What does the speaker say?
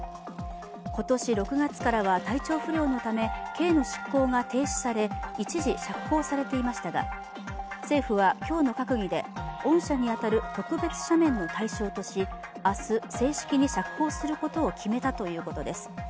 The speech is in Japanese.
今年６月からは体調不良のため刑の執行が停止され、一時、釈放されていましたが、政府は今日の閣議で恩赦に当たる特別赦免の対象とし明日、正式に釈放することを決めたということです。